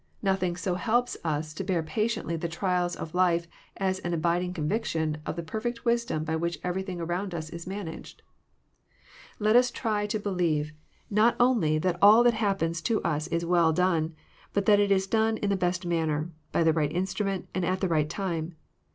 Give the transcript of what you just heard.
Nothing «o helps us to bear patiently the trials of life as an abiding convic tion of the perfect wisdom by which everything around us is managed. Let us try to believe not only that all that happens to us is well done, but that it is done in the best manner, by the right instrument, and at the right time.